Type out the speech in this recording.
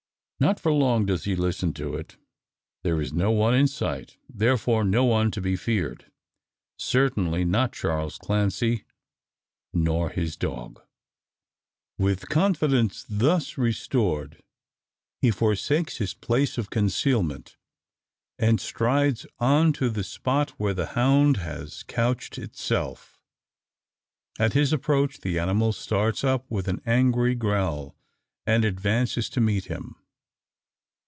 Not for long does he listen to it. There is no one in sight, therefore no one to be feared. Certainly not Charles Clancy, nor his dog. With confidence thus restored, he forsakes his place of concealment, and strides on to the spot where the hound has couched itself. At his approach the animal starts up with an angry growl, and advances to meet him.